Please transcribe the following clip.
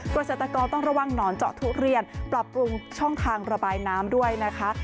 เกษตรกรต้องระวังหนอนเจาะทุเรียนปรับปรุงช่องทางระบายน้ำด้วยนะคะ